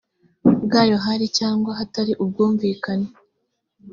bwayo hari cyangwa hatari ubwumvikane